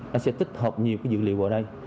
nó sẽ tích hợp nhiều cái dữ liệu ở đây